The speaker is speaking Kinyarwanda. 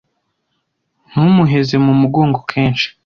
Ntumuheze mu mugongo kenshi